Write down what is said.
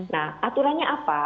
nah aturannya apa